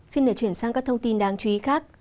xin để chuyển sang các thông tin đáng chú ý khác